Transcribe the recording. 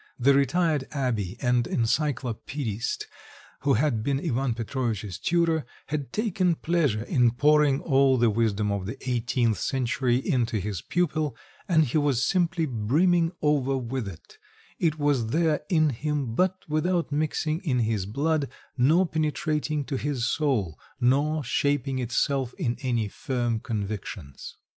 The retired abbé and encyclopedist who had been Ivan Petrovitch's tutor had taken pleasure in pouring all the wisdom of the eighteenth century into his pupil, and he was simply brimming over with it; it was there in him, but without mixing in his blood, nor penetrating to his soul, nor shaping itself in any firm convictions....